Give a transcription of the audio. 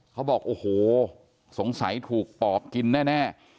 เขาบอกโอ้โหสงสัยถูกปอบกินแน่